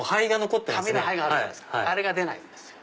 あれが出ないんですよ。